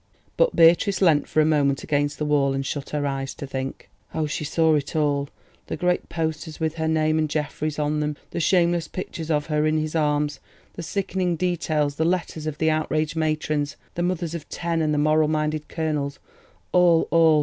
But Beatrice leant for a moment against the wall and shut her eyes to think. Oh, she saw it all—the great posters with her name and Geoffrey's on them, the shameless pictures of her in his arms, the sickening details, the letters of the outraged matrons, the "Mothers of ten," and the moral minded colonels—all, all!